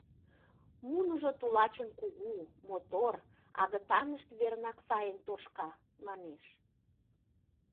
— Муныжо тулачын кугу, мотор, агытанышт вернак сайын тошка, манеш.